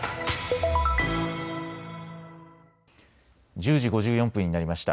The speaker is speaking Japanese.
１０時５４分になりました。